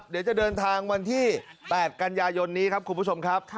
เดี๋ยวจะเดินทางวันที่๘กันยายนนี้ครับคุณผู้ชมครับ